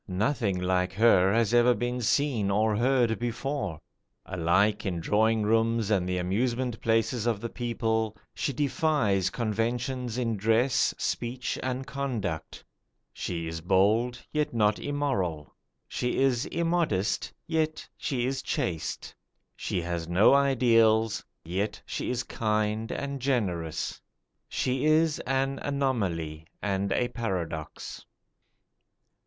Nothing like her has ever been seen or heard before. Alike in drawing rooms and the amusement places of the people, she defies conventions in dress, speech, and conduct. She is bold, yet not immoral. She is immodest, yet she is chaste. She has no ideals, yet she is kind and generous. She is an anomaly and a paradox.